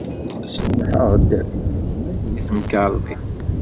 Ṣebḥeɣ-d deg yemma-k deg temkerḍit.